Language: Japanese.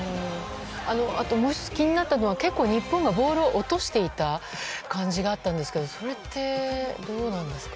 あと、もう１つ気になったのは日本が結構ボールを落としていた感じだったんですがそれって、どうなんですか。